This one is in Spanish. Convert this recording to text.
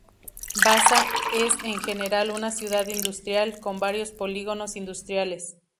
Vaasa es en general una ciudad industrial, con varios polígonos industriales.